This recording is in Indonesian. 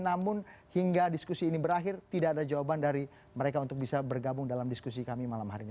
namun hingga diskusi ini berakhir tidak ada jawaban dari mereka untuk bisa bergabung dalam diskusi kami malam hari ini